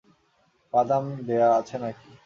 বাদাম দেয়া আছে নাকি?